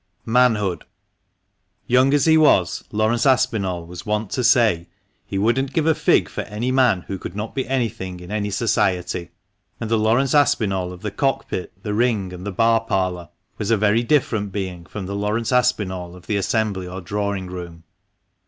MANHOOD. yOUNG as he was, Laurence Aspinall was wont to say he "wouldn't give a fig for any man who could not be anything in any society;" and the Laurence Aspinall of the cock pit, the ring, and the bar parlour, was a very different being from the Laurence Aspinall of the Assembly or drawing room.